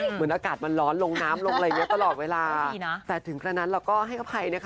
เหมือนอากาศมันร้อนลงน้ำลงอะไรเยอะตลอดเวลาแต่ถึงกระนั้นเราก็ให้อภัยนะคะ